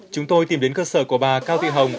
chúng tôi tìm đến cơ sở của bà cao thị hồng